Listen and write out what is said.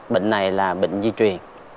bệnh này là bệnh di truyền